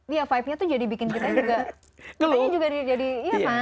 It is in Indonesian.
iya vibe nya tuh jadi bikin kita juga